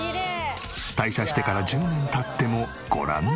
退社してから１０年経ってもご覧の美しさ。